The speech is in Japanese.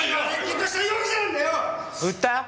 売ったよ。